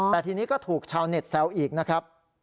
แต่ทีนี้ก็ถูกชาวเน็ตแซวอีกนะครับ